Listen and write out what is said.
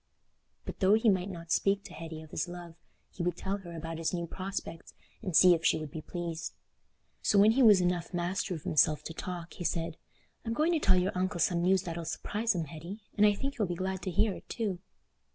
But though he might not speak to Hetty of his love, he would tell her about his new prospects and see if she would be pleased. So when he was enough master of himself to talk, he said, "I'm going to tell your uncle some news that'll surprise him, Hetty; and I think he'll be glad to hear it too."